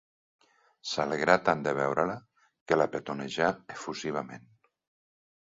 S'alegrà tant de veure-la que la petonejà efusivament.